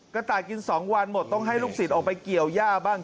กระต่ายกิน๒วันหมดต้องให้ลูกศิษย์ออกไปเกี่ยวย่าบ้าง